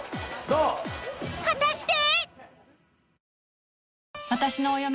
果たして！？